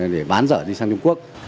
để bán dở đi sang trung quốc